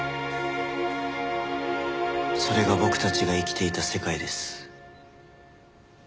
それが僕たちが生きていた世界です。